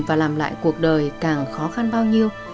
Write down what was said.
và làm lại cuộc đời càng khó khăn bao nhiêu